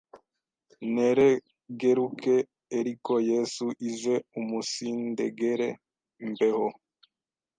nteregeruke eriko Yesu ize umunsindengere mbeho